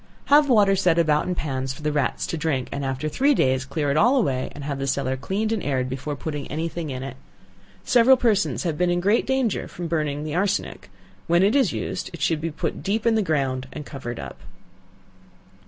Have water set about in pans for the rats to drink, and after three days, clear it all away and have the cellar cleaned and aired before putting any thing in it. Several persons have been in great danger from burning the arsenic; when it is used it should be put deep in the ground and covered up.